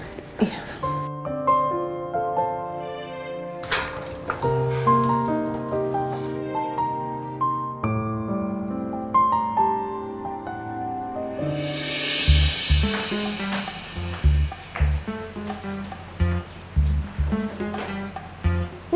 bisa kok sendiri